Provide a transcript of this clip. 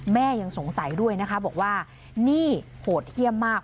ยังสงสัยด้วยนะคะบอกว่านี่โหดเยี่ยมมาก